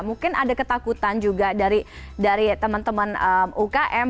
mungkin ada ketakutan juga dari teman teman ukm